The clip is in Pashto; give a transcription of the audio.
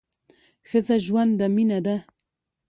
ښځه ژوند ده ، مینه ده